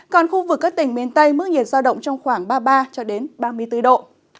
còn khu vực các tỉnh miền tây mức nhiệt do động trong khoảng ba mươi ba ba mươi bốn độ